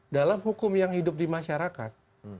dalam hukum yang hidup di masyarakat